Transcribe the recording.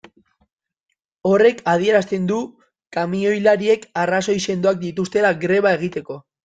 Horrek adierazten du kamioilariek arrazoi sendoak dituztela greba egiteko.